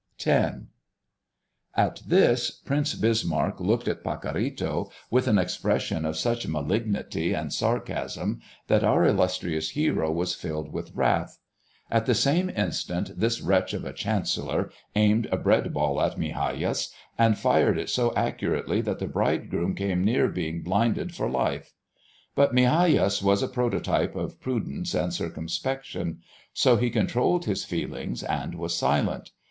X. At this Prince Bismarck looked at Pacorrito with an expression of such malignity and sarcasm that our illustrious hero was filled with wrath. At the same instant this wretch of a chancellor aimed a bread ball at Migajas, and fired it so accurately that the bridegroom came near being blinded for life. But Migajas was a prototype of prudence and circumspection, so he controlled his feelings and was silent.